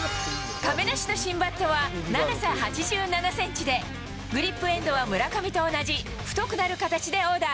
亀梨の新バットは長さ８７センチで、グリップエンドは村上と同じ太くなる形でオーダー。